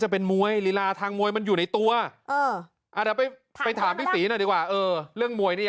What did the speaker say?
เด็กแม่โจ้เก่าก็อย่างนี้แหละ